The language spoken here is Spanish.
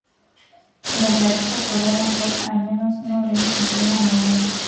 Durante la visita podremos ver, al menos uno de ellos en plena molienda.